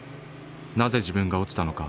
「なぜ自分が落ちたのか」